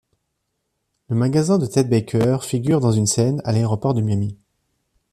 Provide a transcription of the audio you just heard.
Le magasin de Ted Baker figure dans une scène à l'aéroport de Miami.